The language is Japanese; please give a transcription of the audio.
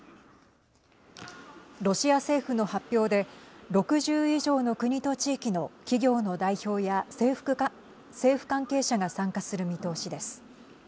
ロシア政府の発表で６０以上の国と地域の企業の代表や政府関係者が参加する見通しです。